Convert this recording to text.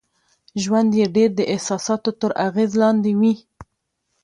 ژوند يې ډېر د احساساتو تر اغېز لاندې وي.